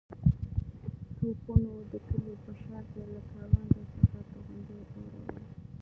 توپونو د کلي په شا کې له کروندو څخه توغندي اورول.